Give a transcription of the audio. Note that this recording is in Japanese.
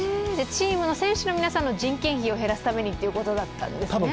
チームの選手の皆さんの人件費を減らすためにということだったんですね。